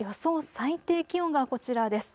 最低気温がこちらです。